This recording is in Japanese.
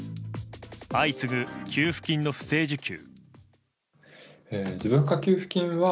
相次ぐ給付金の不正受給。